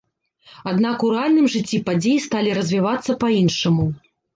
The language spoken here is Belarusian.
Аднак у рэальным жыцці падзеі сталі развівацца па-іншаму.